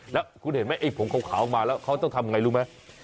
แล้วคุณเห็นไหมไอ้ผงขาวมาแล้วเขาต้องทำไงรู้ไหม